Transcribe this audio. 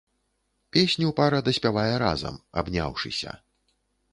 Песню пара даспявае разам, абняўшыся.